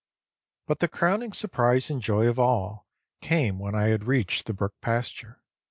But the crowning surprise and joy of all came when I had reached the brook pasture.